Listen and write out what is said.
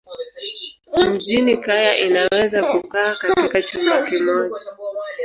Mjini kaya inaweza kukaa katika chumba kimoja.